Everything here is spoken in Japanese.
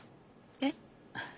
えっ？